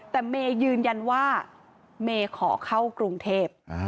แต่เมย์ยืนยันว่าเมย์ขอเข้ากรุงเทพ